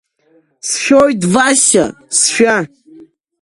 Сшәоит, Васиа, сшәа!